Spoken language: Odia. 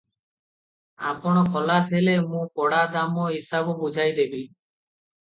ଆପଣ ଖଲାସ ହେଲେ ମୁଁ କଡ଼ା ଦାମ ହିସାବ ବୁଝାଇଦେବି ।"